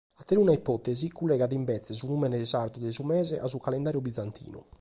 Ateruna ipòtesi collegat imbetzes su nùmene sardu de su mese a su calendàriu bizantinu.